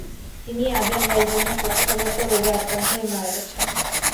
তিনি আজারবাইজানে পক্ষাঘাত রোগে আক্রান্ত হয়ে মারা গেছেন।